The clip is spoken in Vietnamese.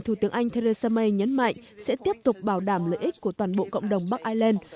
thủ tướng anh theresa may nhấn mạnh sẽ tiếp tục bảo đảm lợi ích của toàn bộ cộng đồng bắc ireland